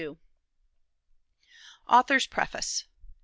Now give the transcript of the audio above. AUTHOR'S PREFACE.